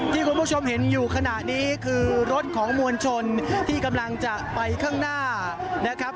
ที่คุณผู้ชมเห็นอยู่ขณะนี้คือรถของมวลชนที่กำลังจะไปข้างหน้านะครับ